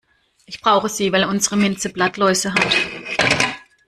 Ich brauche sie, weil unsere Minze Blattläuse hat.